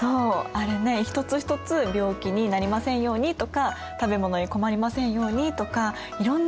あれね一つ一つ「病気になりませんように」とか「食べ物に困りませんように」とかいろんな意味が込められてたんだよ。